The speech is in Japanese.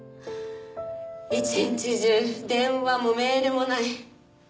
一日中電話もメールもない。